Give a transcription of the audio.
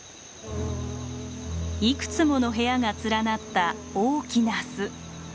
いくつもの部屋が連なった大きな巣。